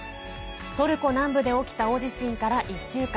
トルコ南部で起きた大地震から１週間。